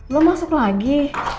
lo masuk lagi